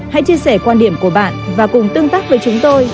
hãy chia sẻ quan điểm của bạn và cùng tương tác với chúng tôi